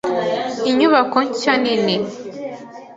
Inyubako nshya ni nini.